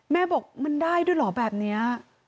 แม่บอกมันได้ด้วยเหรอแบบนี้